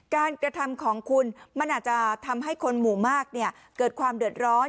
การกระทำของคุณมันอาจจะทำให้คนหมู่มากเกิดความเดือดร้อน